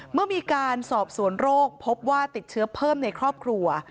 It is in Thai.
เมื่อมีการสอบสวนโรคพบว่าติดเชื้อเพิ่มในครอบครัว